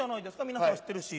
皆さん知ってるし。